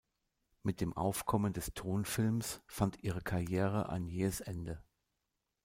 Mit dem Aufkommen des Tonfilms fand ihre Karriere ein jähes Ende.